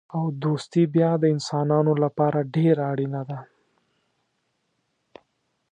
او دوستي بیا د انسانانو لپاره ډېره اړینه ده.